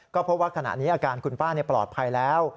ก็พบว่าขณะนี้อาการคุณป้าปลอดภัยแล้ว